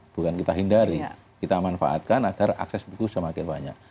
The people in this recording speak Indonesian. bukan kita hindari kita manfaatkan agar akses buku semakin banyak